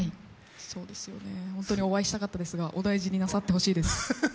そうですよね、お会いしたかったんですけど、お大事になさってほしいです。